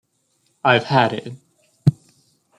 I've had it.